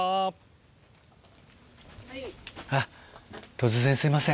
突然すいません。